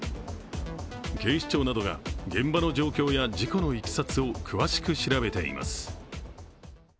警視庁などが現場の状況や事故のいきさつを詳しく調べています。